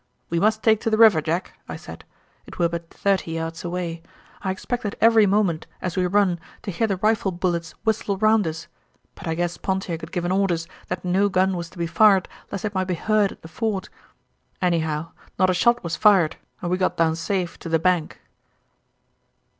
'We must take to the river, Jack,' I said. It were but thirty yards away. I expected every moment, as we run, to hear the rifle bullets whistle round us, but I guess Pontiac had given orders that no gun was to be fired lest it might be heard at the fort. Anyhow, not a shot was fired and we got down safe to the bank."